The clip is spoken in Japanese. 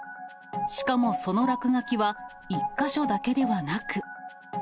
しかもその落書きは、１か所だけではなく。